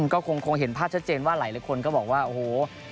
ก็คงเห็นภาพชัดเจนว่าหลายคนก็บอกว่าโอ้โห